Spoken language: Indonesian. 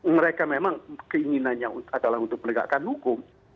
mereka memang keinginannya adalah untuk menegakkan hukum